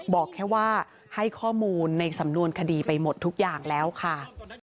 บอกแค่ว่าให้ข้อมูลในสำนวนคดีไปหมดทุกอย่างแล้วค่ะ